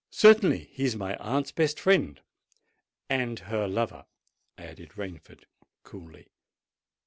"Certainly: he is my aunt's best friend." "And her lover," added Rainford coolly.